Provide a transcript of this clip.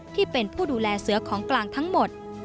ที่เป็นผู้ดูแลเสือของกลางทั้งหมด